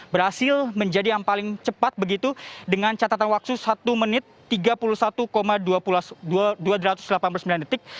berhasil menjadi yang paling cepat begitu dengan catatan waktu satu menit tiga puluh satu dua ratus delapan puluh sembilan detik